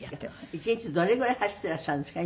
１日どれぐらい走ってらっしゃるんですか？